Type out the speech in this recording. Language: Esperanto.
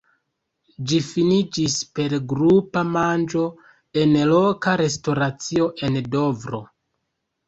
Ĝi finiĝis per grupa manĝo en loka restoracio en Dovro.